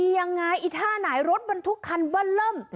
อย่างไรไอ้ท่าไหนรถบรรทุกคันบ้านเริ่ม